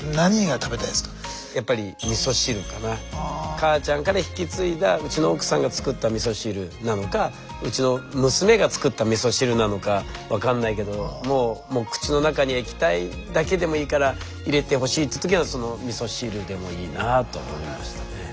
母ちゃんから引き継いだうちの奥さんが作ったみそ汁なのかうちの娘が作ったみそ汁なのか分かんないけども口の中に液体だけでもいいから入れてほしいっていう時はそのみそ汁でもいいなと思いましたね。